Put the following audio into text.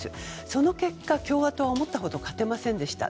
その結果、共和党は思ったほど勝てませんでした。